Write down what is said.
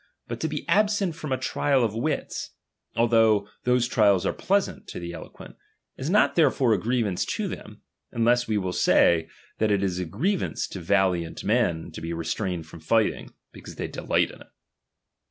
But to be absent from a trial of wits, although those trials are pleasant to the eloquent, is not therefore a grievance to them ; unless we will say, that it is a grievance to valiant men to be restrained from fighting, because they delight in it.